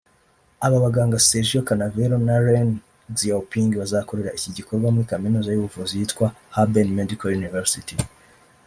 Aba baganga Sergio Canavero na Ren Xiaoping bazakorera iki gikorwa muri Kaminuza y’ubuvuzi yitwa Harbin Medical University